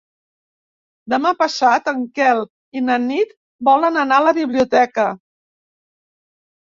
Demà passat en Quel i na Nit volen anar a la biblioteca.